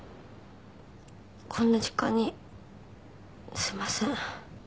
こんな時間にすいません。